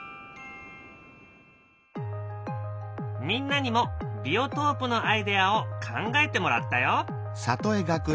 みんなにもビオトープのアイデアを考えてもらったよ。